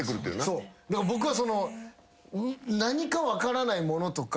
そうだから僕は何か分からないものとか。